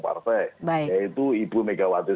partai yaitu ibu megawati